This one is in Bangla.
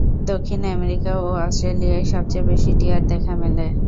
দক্ষিণ আমেরিকা ও অস্ট্রেলিয়ায় সবচেয়ে বেশি টিয়ার দেখা মেলে।